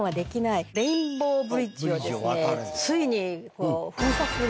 ついに。